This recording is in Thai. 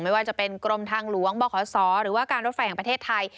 ไม่ว่าจะเป็นกรมทางหลวงบขศหรือว่าการรถไฟแห่งประเทศไทย